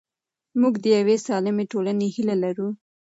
موږ د یوې سالمې ټولنې هیله لرو.